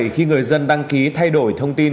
khi người dân đăng ký thay đổi thông tin